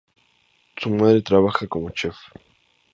Su madre trabajaba como chef.